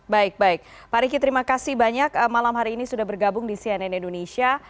baik baik pak riki terima kasih banyak malam hari ini sudah bergabung di cnn indonesia